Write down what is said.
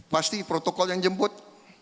pasti protokol yang jemput